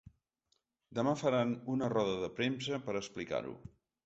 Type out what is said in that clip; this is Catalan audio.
Demà faran una roda de premsa per explicar-ho.